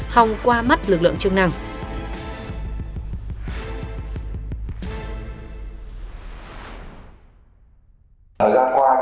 hồng qua mắt lực lượng chức năng